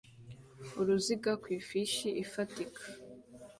Uruziga ku ifishi ifatika